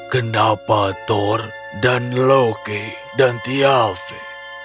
kenapa thor dan loki dan tjalfi